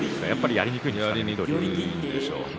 やりにくいんでしょうね。